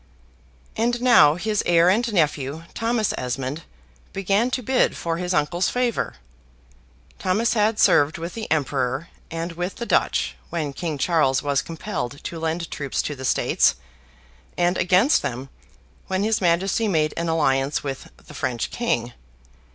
And now, his heir and nephew, Thomas Esmond, began to bid for his uncle's favor. Thomas had served with the Emperor, and with the Dutch, when King Charles was compelled to lend troops to the States; and against them, when his Majesty made an alliance with the French King.